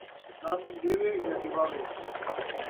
ضامن ݙیوے یا ݙواوے